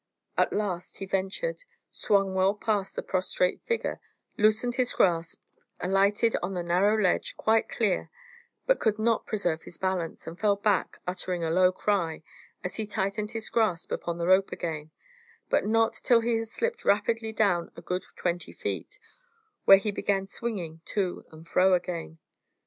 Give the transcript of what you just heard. At last he ventured: swung well past the prostrate figure, loosened his grasp, alighted on the narrow ledge quite clear, but could not preserve his balance, and fell back, uttering a low cry, as he tightened his grasp upon the rope again, but not till he had slipped rapidly down a good twenty feet, where he began swinging to and fro again.